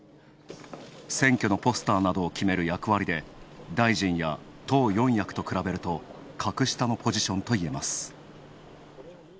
選挙のポスターなどを決める役割で大臣や党四役と比べると格下のポジションといえます。